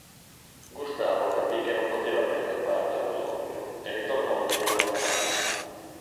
Gustavo capì che non poteva prender parte al colloquio e ritornò dietro la capanna.